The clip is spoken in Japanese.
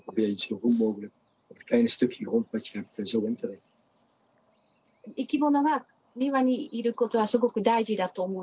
いきものが庭にいることはすごく大事だと思います。